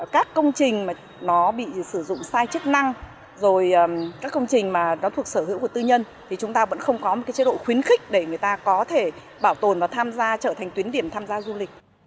các công trình mà nó bị sử dụng sai chức năng rồi các công trình mà nó thuộc sở hữu của tư nhân thì chúng ta vẫn không có một chế độ khuyến khích để người ta có thể bảo tồn và tham gia trở thành tuyến điểm tham gia du lịch